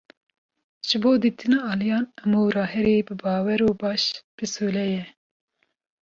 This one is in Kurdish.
Ji bo dîtina aliyan, amûra herî bibawer û baş, pisûle ye.